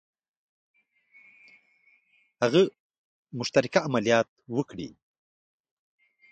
هغه مشترک عملیات وکړي.